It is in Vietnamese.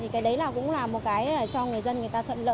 cái đấy là cũng là một cái cho người dân người ta thuận lợi